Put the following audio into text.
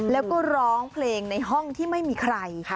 แล้วก็ร้องเพลงในห้องที่ไม่มีใคร